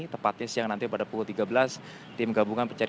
tepatnya siang nanti pada pukul tiga belas